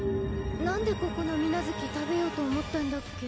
なんでここの水無月食べようと思ったんだっけ？